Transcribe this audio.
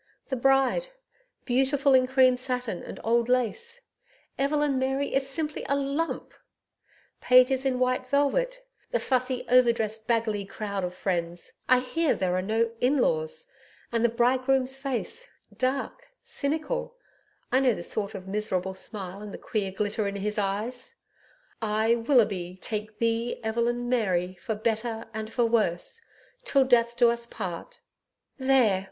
The bride "beautiful in cream satin and old lace" Evelyn Mary is simply a LUMP Pages in white velvet The fussy overdressed Bagallay crowd of friends I hear there are no "in laws," And the bridegroom's face dark, cynical I know the sort of miserable smile and the queer glitter in his eyes. "I WILLOUGHBY TAKE THEE EVELYN MARY... FOR BETTER AND FOR WORSE...TILL DEATH US DO PART "... There!